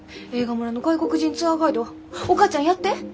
映画村の外国人ツアーガイドお母ちゃんやって！